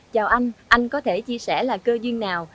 chào anh anh có thể chia sẻ là cơ duyên nào